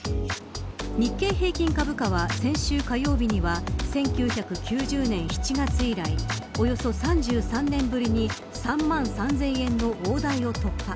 日経平均株価は、先週火曜日には１９９０年７月以来およそ３３年ぶりに３万３０００円の大台を突破。